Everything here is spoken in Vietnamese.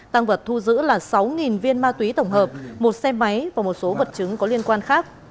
tăng vật thu giữ là sáu viên ma túy tổng hợp một xe máy và một số vật chứng có liên quan khác